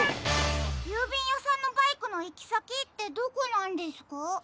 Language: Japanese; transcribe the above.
ゆうびんやさんのバイクのいきさきってどこなんですか？